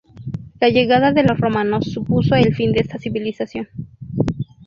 La llegada de los romanos supuso el fin de esta civilización.